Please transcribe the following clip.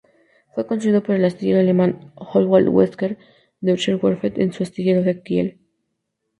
Fue construido por el astillero alemán Howaldtswerke-Deutsche Werft en su astillero de Kiel.